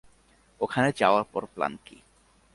ওখানে যাওয়ার পর প্ল্যান কি?